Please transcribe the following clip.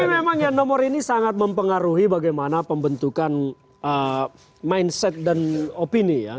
tapi memang yang nomor ini sangat mempengaruhi bagaimana pembentukan mindset dan opini ya